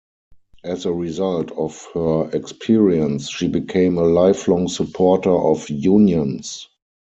As a result of her experience, she became a lifelong supporter of unions.